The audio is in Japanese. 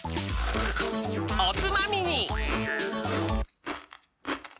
おつまみに！